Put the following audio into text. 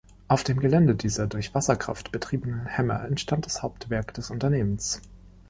Auf dem Gelände dieser durch Wasserkraft betriebenen Hämmer entstand das Hauptwerk des Unternehmens.